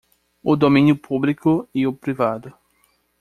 O domínio público e o privado.